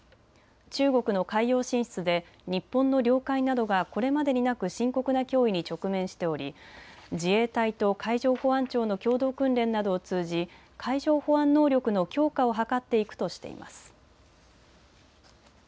中国の海洋進出で日本の領海などがこれまでになく深刻な脅威に直面しており自衛隊と海上保安庁の共同訓練などを通じ海上保安能力の強化を図っていくとしています。